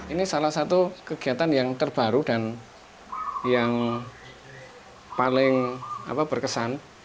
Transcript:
ini salah satu kegiatan yang terbaru dan yang paling berkesan